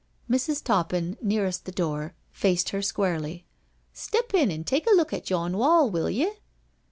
Mrs. Toppin, nearest the door, faced her squarely: " Step in and look at yon wall, will ye?"